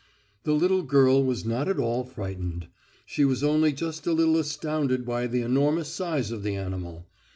The little girl was not at all frightened. She was only just a little astounded by the enormous size of the animal.